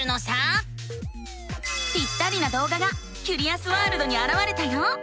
ぴったりなどうががキュリアスワールドにあらわれたよ。